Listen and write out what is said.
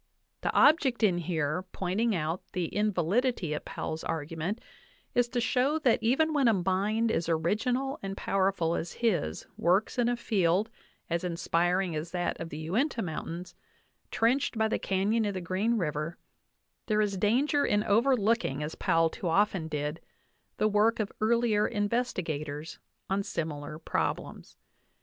The object in here pointing out the invalidity of Powell's argument is to show that even when a mind as original and powerful as his works in a field as inspiring as that of the Uinta Mountains, trenched by the canyon of the Green River, there is danger in overlooking, as Powell too often did, the work of earlier investigators on similar problems.